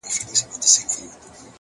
ما خپل گڼي اوس يې لا خـپـل نه يـمه؛